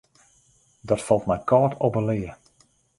Dat falt my kâld op 'e lea.